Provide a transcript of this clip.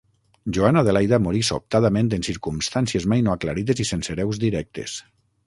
Joana-Adelaida morí sobtadament en circumstàncies mai no aclarides i sense hereus directes.